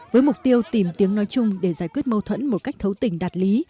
với mục tiêu tìm tiếng nói chung để giải quyết mâu thuẫn một cách thấu tình đạt lý